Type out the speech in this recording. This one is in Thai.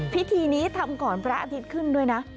พิธีนี้ทำก่อนพระอาทิตย์ขึ้นด้วยนะ